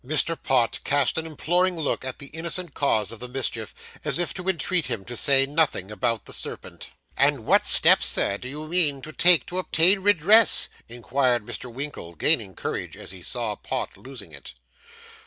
Mr. Pott cast an imploring look at the innocent cause of the mischief, as if to entreat him to say nothing about the serpent. 'And what steps, sir, do you mean to take to obtain redress?' inquired Mr. Winkle, gaining courage as he saw Pott losing it.